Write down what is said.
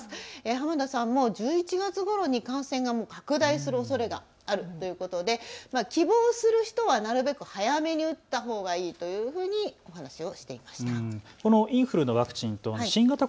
濱田さんも１１月ごろに感染が拡大するおそれがあるということで希望する人はなるべく早めに打ったほうがいいとお話ししていました。